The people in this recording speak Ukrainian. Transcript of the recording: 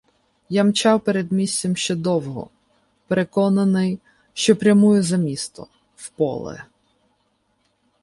Я мчав передмістям ще довго, переконаний, що прямую за місто, в поле.